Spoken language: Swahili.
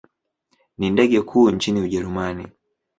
Ni ndege kuu nchini Ujerumani.